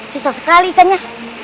susah sekali ikannya